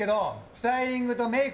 スタイリングとメイク